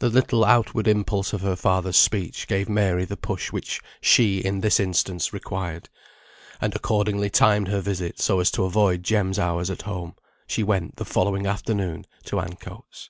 The little outward impulse of her father's speech gave Mary the push which she, in this instance, required; and, accordingly, timing her visit so as to avoid Jem's hours at home, she went the following afternoon to Ancoats.